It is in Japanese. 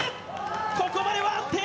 ここまでは安定。